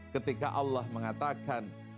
ketika allah mengatakan